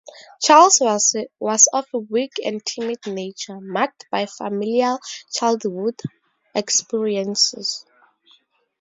Charles was of a weak and timid nature, marked by familial childhood experiences.